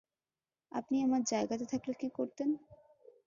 আপনি আমার জায়গাতে থাকলে কী করতেন?